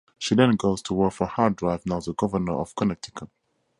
She then goes to work for Hard Drive, now the governor of Connecticut.